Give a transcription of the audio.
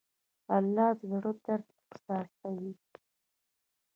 الله د زړه درد احساسوي.